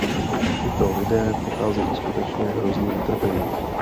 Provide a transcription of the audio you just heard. Tito lidé procházejí skutečně hrozným utrpením.